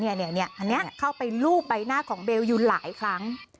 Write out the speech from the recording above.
อันนี้เข้าไปรูปใบหน้าของเบลอยู่หลายครั้ง